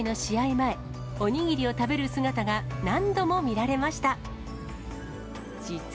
前、お握りを食べる姿が何度も見られました。